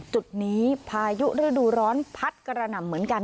จุดนี้พายุฤดูร้อนพัดกระหน่ำเหมือนกัน